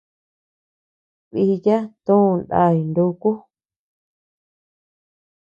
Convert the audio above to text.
Diya tö ndáy nuúku.